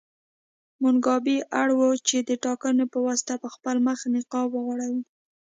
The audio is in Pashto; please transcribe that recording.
موګابي اړ و چې د ټاکنو په واسطه پر خپل مخ نقاب وغوړوي.